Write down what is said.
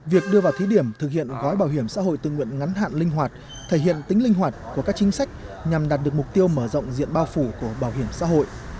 việc đưa vào thí điểm thực hiện gói bảo hiểm xã hội tự nguyện ngắn hạn linh hoạt thể hiện tính linh hoạt của các chính sách nhằm đạt được mục tiêu mở rộng diện bao phủ của bảo hiểm xã hội